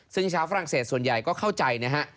ซึ่งชาวฝรั่งเศสส่วนใหญ่ก็เข้าใจนะฮะ